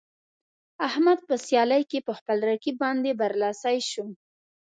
احمد په سیالۍ کې په خپل رقیب باندې برلاسی شو.